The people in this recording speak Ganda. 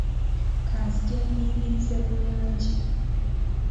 Ka nzije nkuyigirize bulungi.